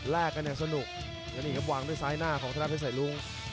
แรกกันอย่างสนุกแล้วนี่ครับวางด้วยซ้ายหน้าของทะดานเพชรสายรุ้ง